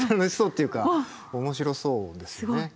楽しそうっていうか面白そうですよね。